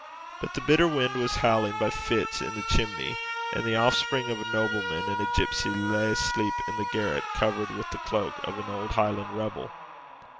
But the bitter wind was howling by fits in the chimney, and the offspring of a nobleman and a gipsy lay asleep in the garret, covered with the cloak of an old Highland rebel.